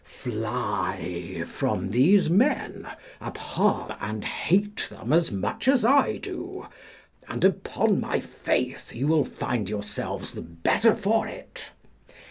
Fly from these men, abhor and hate them as much as I do, and upon my faith you will find yourselves the better for it.